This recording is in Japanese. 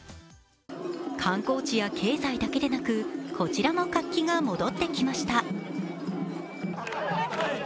観光地や経済だけでなく、こちらも活気が戻ってきました。